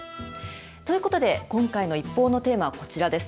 ということで、今回のＩＰＰＯＵのテーマはこちらです。